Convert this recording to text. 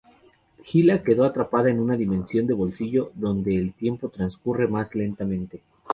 Hila quedó atrapada en una dimensión de bolsillo donde el tiempo transcurre más lentamente.